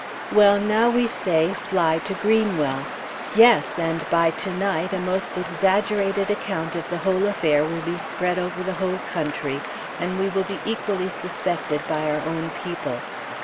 Well, now we say, fly to Greenwell. Yes! and by to night, a most exaggerated account of the whole affair will be spread over the whole country, and we will be equally suspected by our own people.